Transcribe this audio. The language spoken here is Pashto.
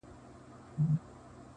دا شاعر خپل نه کوي دا شاعر پردی نه کوي,